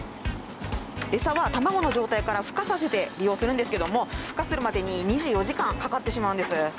エサは卵の状態からふ化させて利用するんですけどもふ化するまでに２４時間かかってしまうんです。